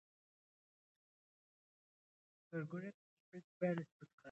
پېیر کوري د تجربې پایله ثبت کړه.